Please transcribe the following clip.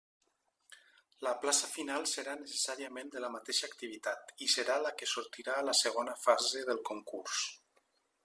La plaça final serà necessàriament de la mateixa activitat i serà la que sortirà a la segona fase del concurs.